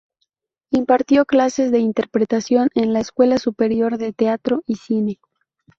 Impartió clases de interpretación en la Escuela Superior de Teatro y Cine.